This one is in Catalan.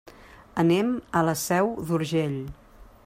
Anem a la Seu d'Urgell.